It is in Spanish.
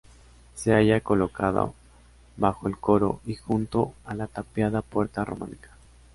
Se halla colocada bajo el coro y junto a la tapiada puerta románica.